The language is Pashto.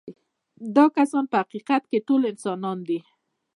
دا کسان په حقیقت کې ټول انسانان دي.